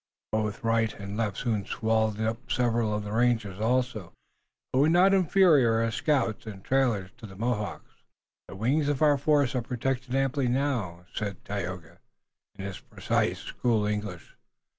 Both right and left soon swallowed up several of the rangers also, who were not inferior as scouts and trailers to the Mohawks. "The wings of our force are protected amply now," said Tayoga, in his precise school English.